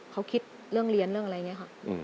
เขาคิดเรื่องเรียนเรื่องอะไรอย่างนี้ค่ะ